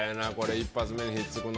一発目にひっつくの。